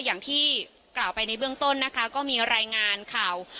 อย่างที่กล่าวไปในเบื้องต้นนะคะก็มีรายงานข่าว